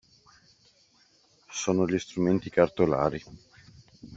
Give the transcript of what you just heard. Sono gli strumenti cartolari.